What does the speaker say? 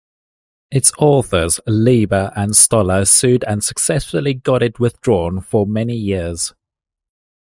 Its authors, Leiber and Stoller, sued and successfully got it withdrawn for many years.